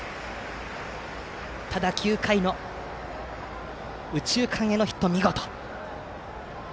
ただ９回の右中間へのヒットは見事。